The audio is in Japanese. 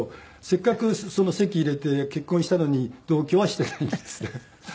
せっかく籍入れて結婚したのに同居はしていないんですね。